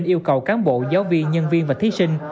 yêu cầu cán bộ giáo viên nhân viên và thí sinh